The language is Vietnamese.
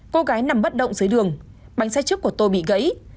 cô gái nằm bất động dưới đường bánh xe trước của tôi bị gãy